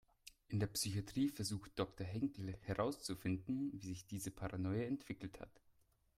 In der Psychatrie versucht Doktor Henkel herauszufinden, wie sich diese Paranoia entwickelt hat.